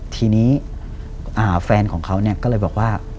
ทีนี้แฟนของเขาก็เลยบอกว่า